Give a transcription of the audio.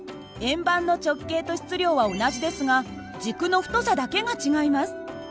円盤の直径と質量は同じですが軸の太さだけが違います。